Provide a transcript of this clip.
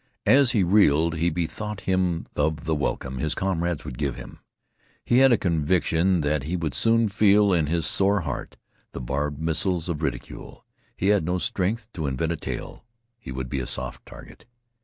As he reeled, he bethought him of the welcome his comrades would give him. He had a conviction that he would soon feel in his sore heart the barbed missiles of ridicule. He had no strength to invent a tale; he would be a soft target.